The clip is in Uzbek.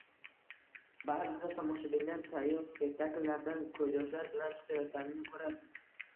— Ba’zida tomoshabinlar sayoz spektakllardan ko‘zyoshlar bilan chiqayotganini ko‘rib